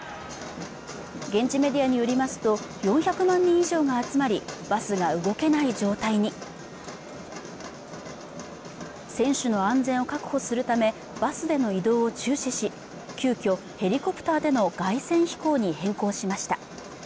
現地メディアによりますと４００万人以上が集まりバスが動けない状態に選手の安全を確保するためバスでの移動を中止し急遽ヘリコプターでの凱旋飛行に変更しました